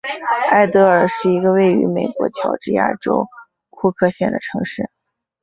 艾得尔是一个位于美国乔治亚州库克县的城市。